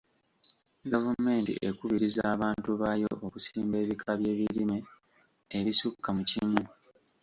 Gavumenti ekubiriza abantu baayo okusimba ebika by'ebirime ebisukka mu kimu.